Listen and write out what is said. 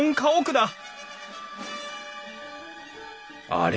あれ？